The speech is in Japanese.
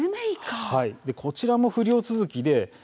こちらも不漁続きです。